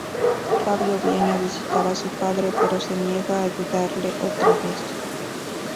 Fabio viene a visitar a su padre pero se niega a ayudarle otra vez.